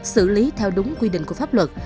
xử lý theo đúng quy định của pháp luật